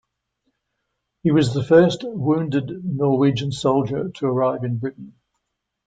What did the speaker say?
He was the first wounded Norwegian soldier to arrive in Britain.